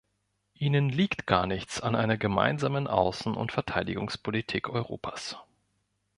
Ihnen liegt gar nichts an einer gemeinsamen Außen- und Verteidigungspolitik Europas.